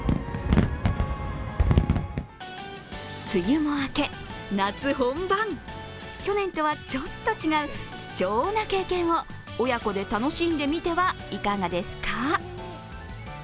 梅雨も明け、夏本番、去年とはちょっと違う貴重な経験を親子で楽しんでみてはいかがですか。